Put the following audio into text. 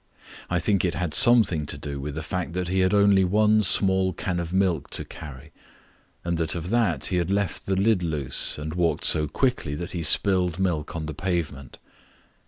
I think it had something to do with the fact that he had only one small can of milk to carry, and that of that he had left the lid loose and walked so quickly that he spilled milk on the pavement.